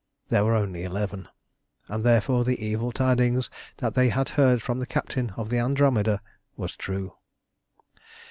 There were only eleven, and therefore the evil tidings that they had heard from the captain of the Andromeda was true.